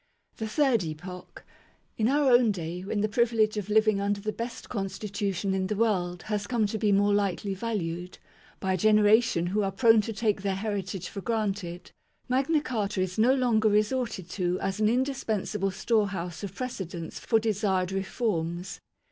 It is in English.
THE THIRD EPOCH. In our own day, when the privilege of living under the best constitution in the world has come to be more lightly valued, by a generation who are prone to take their heritage for granted, Magna Carta is no longer resorted to as an indispensable storehouse of pre cedents for desired reforms.